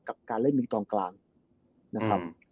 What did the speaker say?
กับการเล่นมีตรงกลางนะครับ